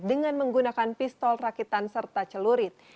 dengan menggunakan pistol rakitan serta celurit